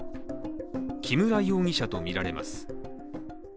木村容疑者とみられます。